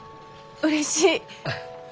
うれしい。